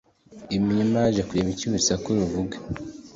imirima yaje kureba icyo urusaku ruvuga